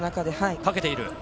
かけている。